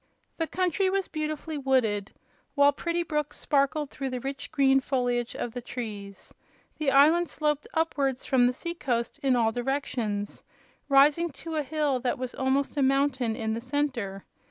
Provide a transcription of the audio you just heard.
The country was beautifully wooded, while pretty brooks sparkled through the rich green foliage of the trees. The island sloped upwards from the sea coast in all directions, rising to a hill that was almost a mountain in the center.